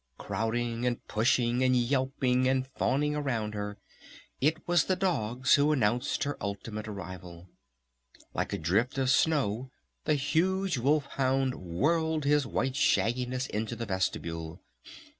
Crowding and pushing and yelping and fawning around her, it was the dogs who announced her ultimate arrival. Like a drift of snow the huge wolf hound whirled his white shagginess into the vestibule.